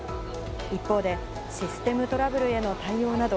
一方で、システムトラブルへの対応など、